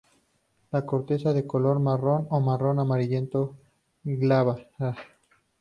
La corteza de color marrón o marrón amarillento, glabra.